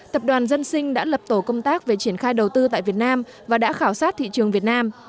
tập đoàn dân sinh đã lập tổ công tác về triển khai đầu tư tại việt nam và đã khảo sát thị trường việt nam